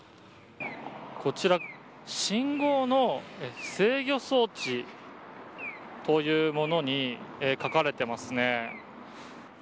こちら、信号の制御装置というものに書かれてますね。